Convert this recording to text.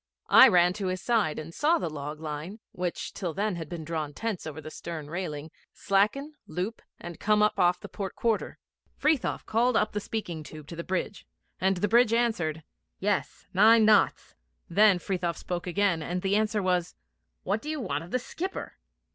I ran to his side and saw the log line, which till then had been drawn tense over the stern railing, slacken, loop, and come up off the port quarter. Frithiof called up the speaking tube to the bridge, and the bridge answered, 'Yes, nine knots.' Then Frithiof spoke again, and the answer was, 'What do you want of the skipper?'